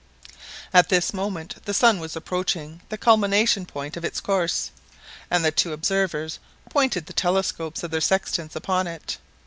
At this moment the sun was approaching the culminating point of its course, and the two observers pointed the telescopes of their sextants upon it.